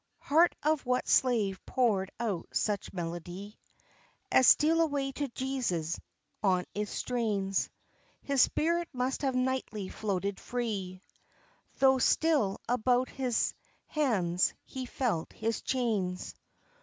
Heart of what slave poured out such melody As "Steal away to Jesus"? On its strains His spirit must have nightly floated free, Though still about his hands he felt his chains.